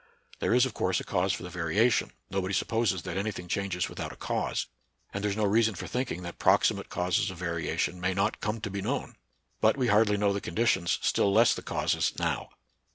There is of course a cause for the variation. Nobody supposes that any thing changes without a cause ; and there is no reason for thinking that proximate causes of variation may not come to be known ; but we hardly know the conditions, still less the causes now.